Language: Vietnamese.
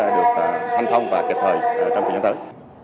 được thanh thông và kịp thời trong thời gian tới